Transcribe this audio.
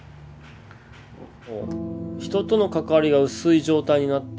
人との関わりが薄い状態になっている。